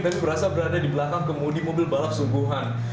tapi berasa berada di belakang kemudi mobil balap subuhan